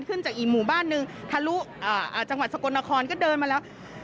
ขึ้นจากอีกหมู่บ้านหนึ่งทะลุจังหวัดสกลนครก็เดินมาแล้ว